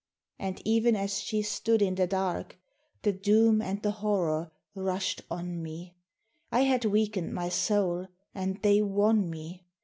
And even as she stood in the dark, the doom and the horror rushed on me; (I had weakened my soul, and they won me!)